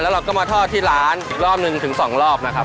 เราก็มาทอดที่ร้านอีกรอบหนึ่งถึง๒รอบนะครับ